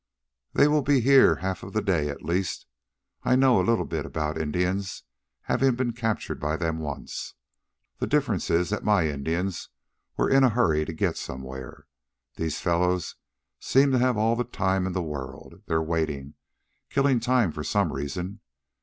"They will be here half of the day at least. I know a little about Indians, having been captured by them once. The difference is that my Indians were in a hurry to get somewhere. These fellows seem to have all the time in the world. They're waiting killing time for some reason.